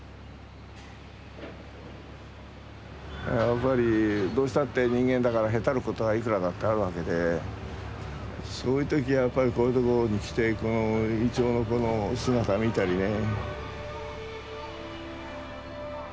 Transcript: やっぱりどうしたって人間だからへたることはいくらだってあるわけでそういう時はこういうところに来てこのイチョウの姿見たりね。